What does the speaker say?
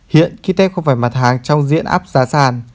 hiện ký test không phải mặt hàng trong diện áp giá sàn